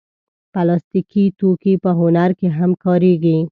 پلاستيکي توکي په هنر کې هم کارېږي.